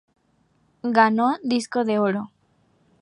Ganó disco de oro.